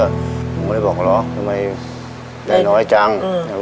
ผมไม่ได้บอกเหรอทำไมใจน้อยจัง